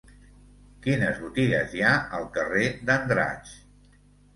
Quines botigues hi ha al carrer d'Andratx?